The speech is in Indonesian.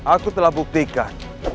aku telah buktikan